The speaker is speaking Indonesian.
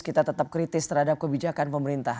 kita tetap kritis terhadap kebijakan pemerintah